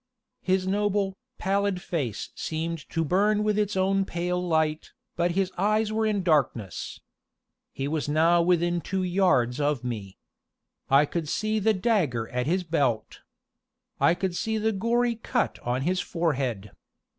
His noble, pallid face seemed to burn with its own pale light, but his eyes were in darkness. He was now within two yards of me. I could see the dagger at his belt. I could see the gory cut on his forehead.